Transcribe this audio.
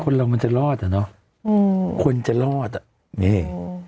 คนเรามันจะรอดอ่ะเนาะควรจะรอดอ่ะนี่